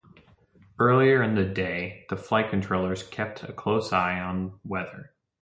Earlier in the day, the flight controllers kept a close eye on weather.